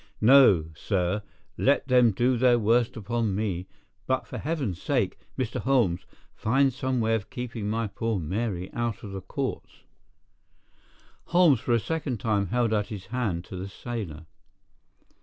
No, sir, let them do their worst upon me, but for heaven's sake, Mr. Holmes, find some way of keeping my poor Mary out of the courts." Holmes for a second time held out his hand to the sailor.